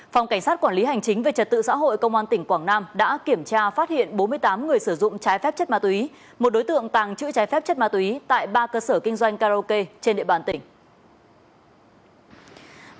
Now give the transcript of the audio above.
phòng cảnh sát quản lý hành chính về trật tự xã hội công an tỉnh quảng nam đã kiểm tra phát hiện bốn mươi tám người sử dụng trái phép chất ma túy một đối tượng tàng chữ trái phép chất ma túy tại ba cơ sở kinh doanh karaoke trên địa bàn tỉnh